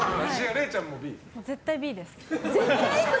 絶対Ｂです。